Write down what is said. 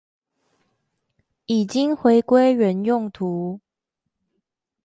已經回歸原用途